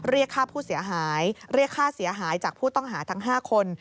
เรียกค่าผู้เสียหายเรียกค่าเสียหายจากผู้ต้องหาทั้ง๕คน